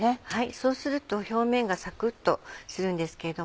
そうすると表面がサクっとするんですけれども。